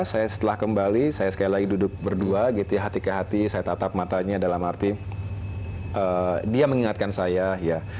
saya setelah kembali saya sekali lagi duduk berdua gitu ya hati ke hati saya tatap matanya dalam arti dia mengingatkan saya ya